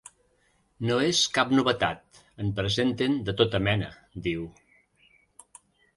No és cap novetat, en presenten de tota mena, diu.